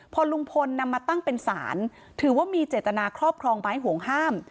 พอลุงพลนำมาตั้งเป็นศาลถือว่ามีเจตนาครอบครองไม้ห่วงห้าม